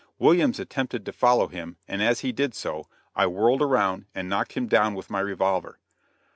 Williams attempted to follow him, and as he did so, I whirled around and knocked him down with my revolver.